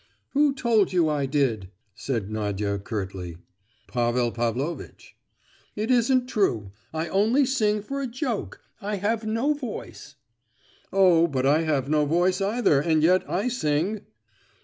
"Who told you I did?" said Nadia curtly. "Pavel Pavlovitch." "It isn't true; I only sing for a joke—I have no voice." "Oh, but I have no voice either, and yet I sing!"